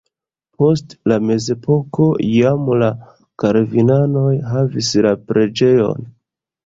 Post la mezepoko jam la kalvinanoj havis la preĝejon.